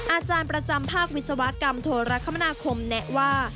อาจารย์ประจำภาควิศวกรรมโทรคมนาคมแนะว่า